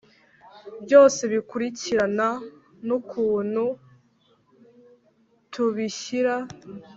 byose bikurikirana nukuntu tubishyira.